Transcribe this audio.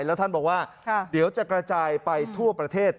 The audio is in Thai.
แล้วท่านบอกว่าเดี๋ยวจะกระจายไปทั่วประเทศ